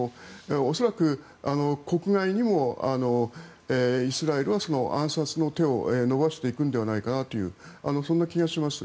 恐らく、国外にもイスラエルは暗殺の手を伸ばしていくのではないかというそんな気がします。